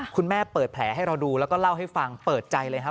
คุณแม่เปิดแผลให้เราดูแล้วก็เล่าให้ฟังเปิดใจเลยฮะ